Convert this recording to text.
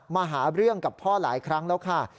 มาหาเรื่องกับพ่อหลายครั้งแล้วค่ะ